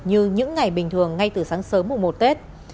như những ngày bình thường ngay từ sáng sớm mùa một tết